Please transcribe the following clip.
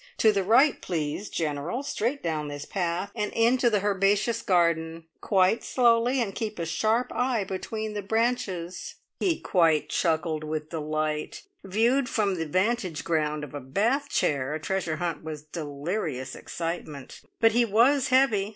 To the right, please, General. Straight down this path, and into the herbaceous garden. Quite slowly, and keep a sharp eye between the branches." He quite chuckled with delight. Viewed from the vantage ground of a bath chair, a Treasure Hunt was delirious excitement, but he was heavy!